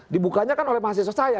dibukanya kan oleh mahasiswa saya